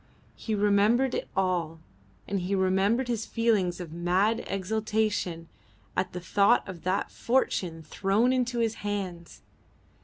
He remembered it all, and he remembered his feelings of mad exultation at the thought of that fortune thrown into his hands.